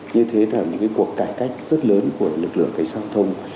như thế là những cái cuộc cải cách rất lớn của lực lượng cải giao thông